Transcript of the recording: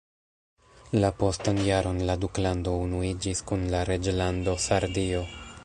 La postan jaron la duklando unuiĝis kun la reĝlando Sardio.